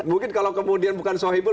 mungkin kalau kemudian bukan sohibul